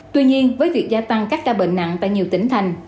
tuy nhiên với việc gia tăng các ca bệnh nặng tại nhiều tỉnh thành